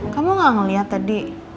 kamu gak ngeliat tadi